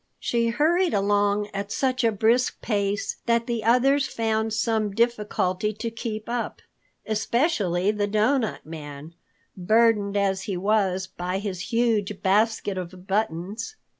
She hurried along at such a brisk pace that the others found some difficulty to keep up, especially the Doughnut Man, burdened as he was by his huge basket of buttons.